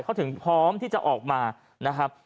เขาถึงพร้อมที่จะออกมานะครับ